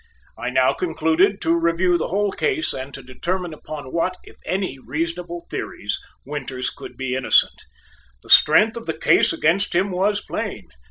I now concluded to review the whole case and to determine upon what, if any, reasonable theories Winters could be innocent. The strength of the case against him was plain.